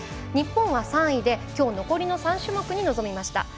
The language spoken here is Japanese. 日本は３位で、きょう残りの３種目に臨みました。